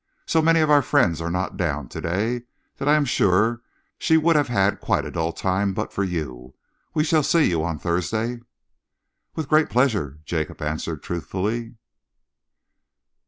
So many of our friends are not down to day that I am sure she would have had quite a dull time but for you. We shall see you on Thursday." "With great pleasure," Jacob answered truthfully.